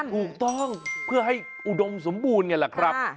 ถูกต้องเพื่อให้อุดมสมบูรณ์ไงแหละครับ